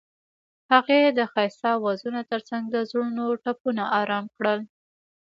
هغې د ښایسته اوازونو ترڅنګ د زړونو ټپونه آرام کړل.